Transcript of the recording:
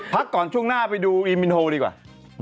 พักก่อนช่วงหน้าไปดูอีมินโฮดีกว่า